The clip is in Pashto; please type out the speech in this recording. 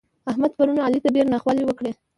احمد پرون علي ته ډېرې ناخوالې وکړې.